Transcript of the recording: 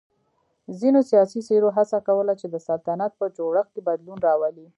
ځینو سیاسی څېرو هڅه کوله چې د سلطنت په جوړښت کې بدلون راولي.